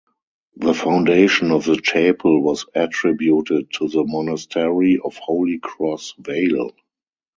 The foundation of the chapel was attributed to the monastery of Holy Cross Vale.